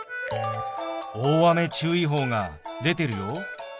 大雨注意報が出てるよ。